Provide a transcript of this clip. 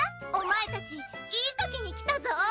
お前たちいいときに来たぞ！